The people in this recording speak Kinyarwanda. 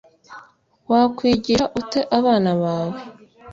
wakwigisha ute abana bawe